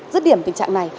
rứt điểm tình trạng này